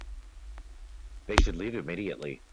They should leave immediately.